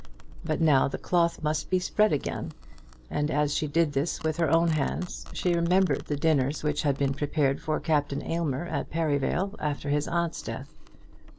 But now the cloth must be spread again, and as she did this with her own hands she remembered the dinners which had been prepared for Captain Aylmer at Perivale after his aunt's death.